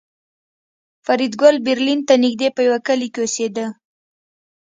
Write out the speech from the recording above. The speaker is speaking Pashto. فریدګل برلین ته نږدې په یوه کلي کې اوسېده